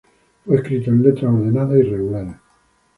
Fue escrito en letras ordenadas y regulares.